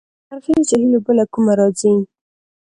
د قرغې جهیل اوبه له کومه راځي؟